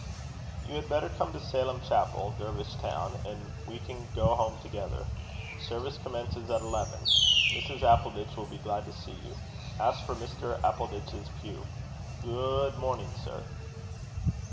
"You had better come to Salem Chapel, Dervish town, and we can go home together. Service commences at eleven. Mrs. Appleditch will be glad to see you. Ask for Mr. Appleditch's pew. Goo ood morning, sir."